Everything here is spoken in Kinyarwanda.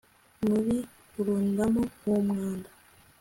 muri kurundamo uwo mwanda